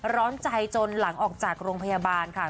ร้อนใจจนหลังออกจากโรงพยาบาลค่ะ